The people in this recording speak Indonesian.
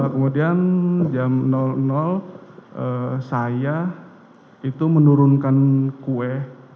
kemudian jam saya itu menurunkan kue